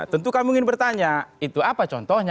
tentu kamu ingin bertanya itu apa contohnya